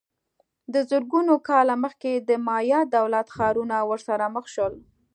دا زرګونه کاله مخکې د مایا دولت ښارونه ورسره مخ شول